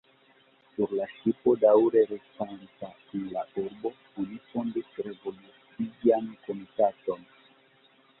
Sur la ŝipo, daŭre restanta en la urbo, oni fondis revolucian komitaton.